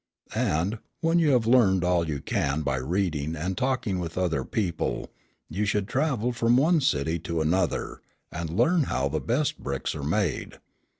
And, when you have learned all you can by reading and talking with other people, you should travel from one city to another, and learn how the best bricks are made.